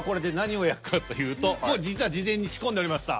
もう実は事前に仕込んでありました。